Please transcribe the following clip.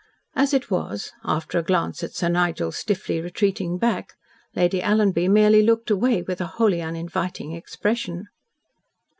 As it was after a glance at Sir Nigel's stiffly retreating back Lady Alanby merely looked away with a wholly uninviting expression.